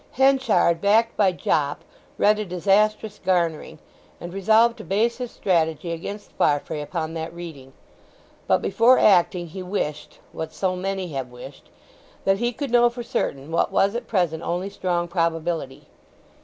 Henchard, backed by Jopp, read a disastrous garnering, and resolved to base his strategy against Farfrae upon that reading. But before acting he wished—what so many have wished—that he could know for certain what was at present only strong probability.